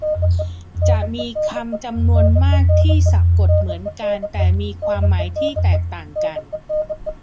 จะมีคำจำนวนมากที่สะกดเหมือนกันแต่มีความหมายที่แตกต่างกัน สรร สัน การ กาน กาญจน์ ที่มาของคำก็หายหมด